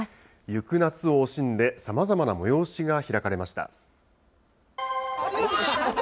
行く夏を惜しんで、さまざまな催しが開かれました。